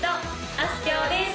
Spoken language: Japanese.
あすきょうです